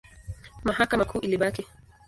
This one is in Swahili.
Mahakama Kuu ilibaki.